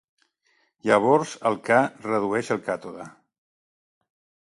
Llavors, el Ca redueix el càtode.